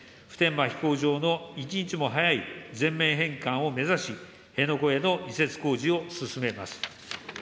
普天間飛行場の一日も早い全面返還を目指し、辺野古への移設工事を進めます。